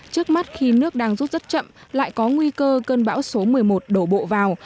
trước mắt khi nước đang rút rất chậm lại có nguy cơ cơn bão số một mươi một đổ bộ vào